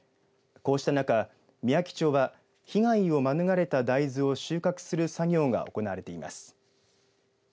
こうした中、みやき町は被害を免れた大豆を収穫する作業が行われています。